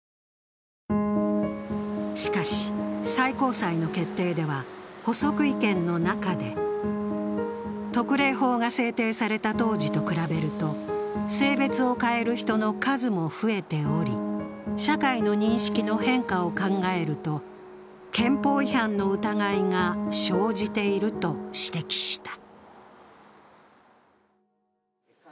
しかし最高裁の決定では補足意見の中で特例法が制定された当時と比べると性別を変える人の数も増えており、社会の認識の変化を考えると憲法違反の疑いが生じていると指摘した。